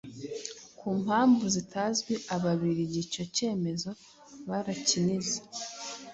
Ku mpamvu zitazwi Ababiligi icyo cyemezo barakinize,